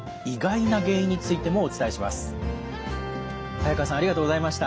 早川さんありがとうございました。